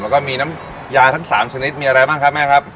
แล้วก็มีน้ำยาทั้ง๓ชนิดมีอะไรบ้างครับแม่ครับ